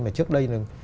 mà trước đây